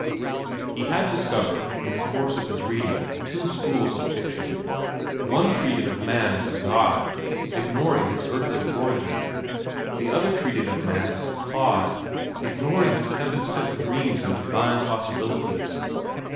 He had discovered, in the course of his reading, two schools of fiction. One treated of man as a god, ignoring his earthly origin; the other treated of man as a clod, ignoring his heaven sent dreams and divine possibilities.